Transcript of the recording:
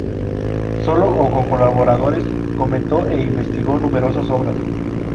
Solo o con colaboradores comentó e investigó numerosas obras.